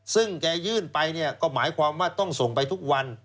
ซึ่งแกยื่นไปเนี่ยก็หมายความว่าต้องส่งไปทุกวัน